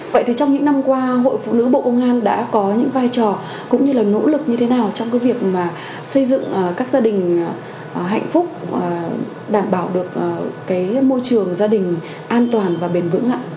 vậy thì trong những năm qua hội phụ nữ bộ công an đã có những vai trò cũng như là nỗ lực như thế nào trong cái việc mà xây dựng các gia đình hạnh phúc đảm bảo được cái môi trường gia đình an toàn và bền vững ạ